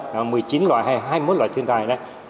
một mươi chín loại hay hai mươi một loại thiên tai này